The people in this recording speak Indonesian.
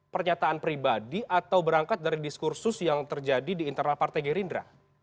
pernyataan pribadi atau berangkat dari diskursus yang terjadi di internal partai gerindra